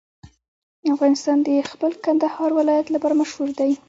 افغانستان د خپل کندهار ولایت لپاره مشهور دی.